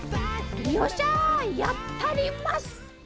よっしゃやったります！